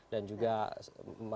dan juga selamat